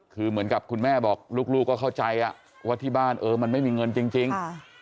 คือเหมือนกับคุณแม่บอกลูกก็เข้าใจว่าที่บ้านเออมันไม่มีเงินจริง